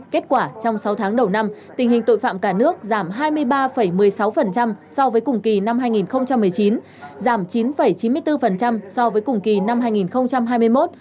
kết quả trong sáu tháng đầu năm tình hình tội phạm cả nước giảm hai mươi ba một mươi sáu so với cùng kỳ năm hai nghìn một mươi chín giảm chín chín mươi bốn so với cùng kỳ năm hai nghìn hai mươi một